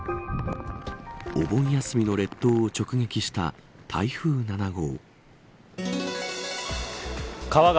お盆休みの列島を直撃した台風７号。